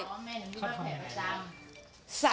เป็นมาแค่นั้น